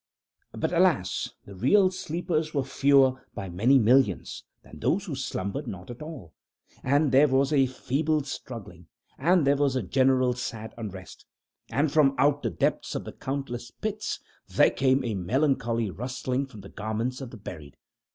But alas! the real sleepers were fewer, by many millions, than those who slumbered not at all; and there was a feeble struggling; and there was a general sad unrest; and from out the depths of the countless pits there came a melancholy rustling from the garments of the buried.